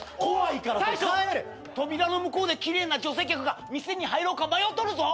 おっ大将扉の向こうで奇麗な女性客が店に入ろうか迷っとるぞ。